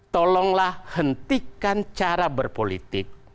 tolonglah hentikan cara berpolitik